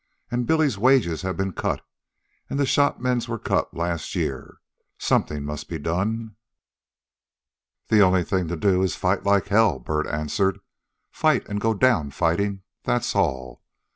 "And Billy's wages have been cut, and the shop men's were cut last year. Something must be done." "The only thing to do is fight like hell," Bert answered. "Fight, an' go down fightin'. That's all.